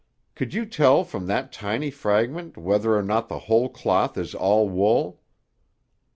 "Could you tell from that tiny fragment whether or not the whole cloth is all wool?"